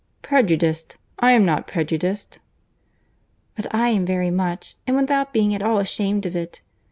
"Prejudiced! I am not prejudiced." "But I am very much, and without being at all ashamed of it.